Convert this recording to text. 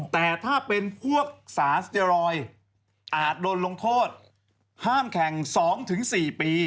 แต่ถ้าเป็นพวกสารสเตียรอยด์อาจโดนลงโทษห้ามแข่ง๒๔ปี